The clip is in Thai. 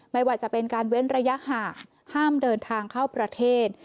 ไม่ว่าจะเป็นการเว้นระยะห่างห้ามเดินทางเข้าประเทศ